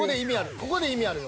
ここで意味あるよ